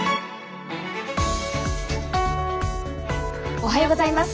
おはようございます。